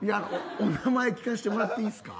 お名前聞かせてもらっていいですか。